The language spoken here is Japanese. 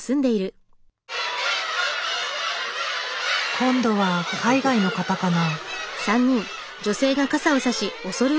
今度は海外の方かな？